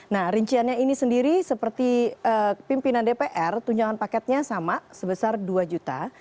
nah rinciannya ini sendiri seperti pimpinan dpr tunjangan paketnya sama sebesar dua juta